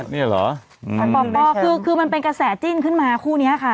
เนี่ยเหรอป้อคือคือมันเป็นกระแสจิ้นขึ้นมาคู่นี้ค่ะ